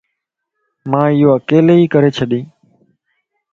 مان ايو اڪيلي ھي ڪري ڇڏين